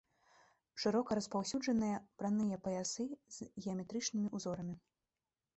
Шырока распаўсюджаныя браныя паясы з геаметрычнымі ўзорамі.